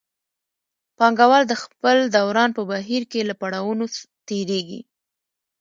پانګوال د خپل دوران په بهیر کې له پړاوونو تېرېږي